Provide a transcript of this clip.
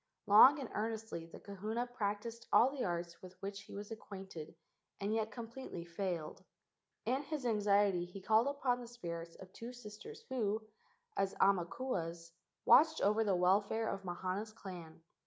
Long and earnestly the kahuna practised all the arts with which he was acquainted and yet completely failed. In his anxiety he called upon the spirits of two sisters who, as aumakuas, watched over the welfare of Mahana's clan.